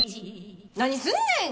何すんねん！